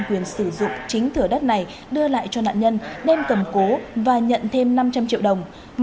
quyền sử dụng chính thửa đất này đưa lại cho nạn nhân đem cầm cố và nhận thêm năm trăm linh triệu đồng